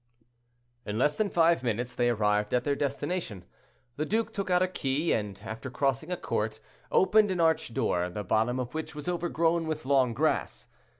In less than five minutes they arrived at their destination. The duke took out a key, and, after crossing a court, opened an arched door, the bottom of which was overgrown with long grass.